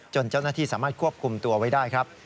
เจ้าหน้าที่สามารถควบคุมตัวไว้ได้ครับ